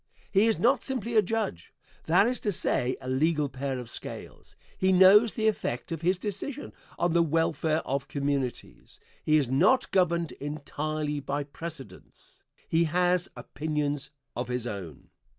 He is not simply a judge that is to say, a legal pair of scales he knows the effect of his decision on the welfare of communities he is not governed entirely by precedents he has opinions of his own.